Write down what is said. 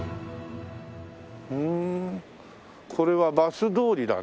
ふーんこれはバス通りだね